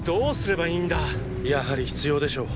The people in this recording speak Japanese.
やはり必要でしょう。